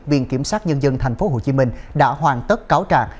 viện kiểm sát nhân dân tp hcm đã hoàn tất cáo trạng